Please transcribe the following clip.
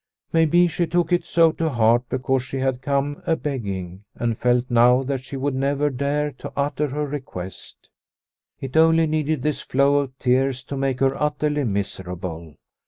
Maybe she took it so to heart because she had come a begging, and felt now that she would never dare to utter her request. It only needed this flow of tears to make her utterly miserable.